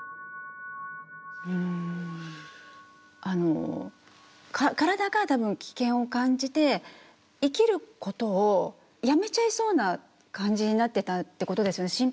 あの体が多分危険を感じて生きることをやめちゃいそうな感じになってたってことですよね。